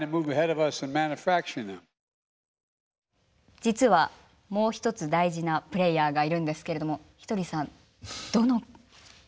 実はもう一つ大事なプレーヤーがいるんですけれどもひとりさんどの。